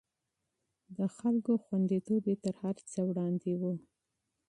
د خلکو خونديتوب يې تر هر څه وړاندې و.